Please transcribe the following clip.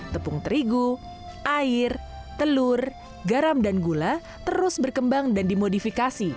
tepung terigu air telur garam dan gula terus berkembang dan dimodifikasi